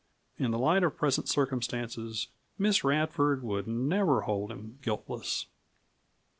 In the light of present circumstances Miss Radford would never hold him guiltless.